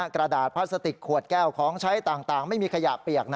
กระดาษพลาสติกขวดแก้วของใช้ต่างไม่มีขยะเปียก